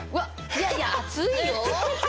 いやいや熱いよ？